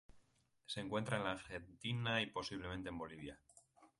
Se encuentra en la Argentina y, posiblemente, en Bolivia.